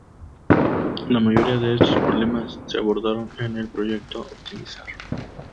La mayoría de estos problemas se abordaron en el Proyecto Optimizar.